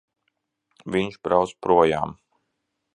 Viņš brauc projām!